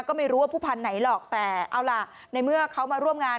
ก็ไม่รู้ว่าผู้พันธุ์ไหนหรอกแต่เอาล่ะในเมื่อเขามาร่วมงาน